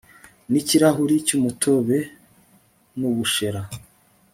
n'ikirahuri cy'umutobe nu bushera